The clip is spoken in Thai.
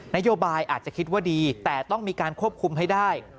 นโยบายอาจจะคิดว่าดีแต่ต้องมีการควบคุมให้ได้